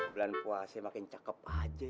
bulan puasa makin cakep aja